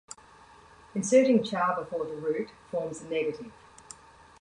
Inserting cha before the root forms the negative.